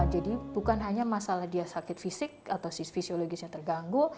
jadi bukan hanya masalah dia sakit fisik atau fisiologisnya terganggu